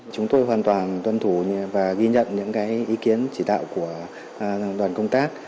chúng tôi hoàn toàn tuân thủ và ghi nhận những ý kiến chỉ đạo của đoàn công tác